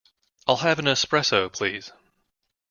I'll have an Espresso, please.